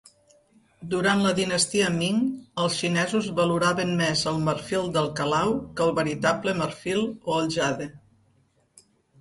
Durant la dinastia Ming, els xinesos valoraven més el marfil del calau que el veritable marfil o el jade.